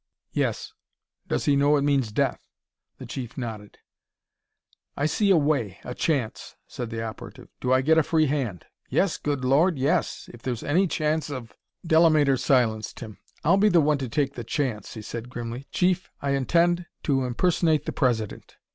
"Yes." "Does he know it means death?" The Chief nodded. "I see a way a chance," said the operative. "Do I get a free hand?" "Yes Good Lord, yes! If there's any chance of " Delamater silenced him. "I'll be the one to take the chance," he said grimly. "Chief, I intend to impersonate the President."